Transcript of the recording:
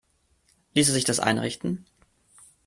Ließe sich das einrichten?